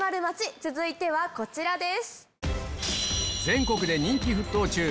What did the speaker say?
続いてはこちらです。